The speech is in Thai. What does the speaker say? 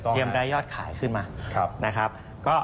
เตรียมได้ยอดขายขึ้นมา